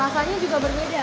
rasanya juga berbeda